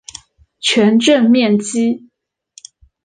全镇面积。